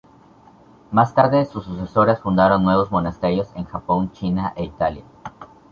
Más tarde sus sucesoras fundaron nuevos monasterios en Japón, China e Italia.